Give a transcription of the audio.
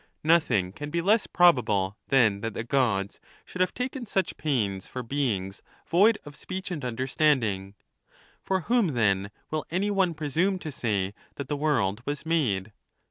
Nothing can be less probable than that the Gods should have taken such pains for beings void of speech and understanding. For whom, then, will any one presume to say that the world was made